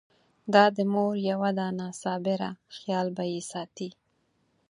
دا د مور یوه دانه صابره خېال به يې ساتي!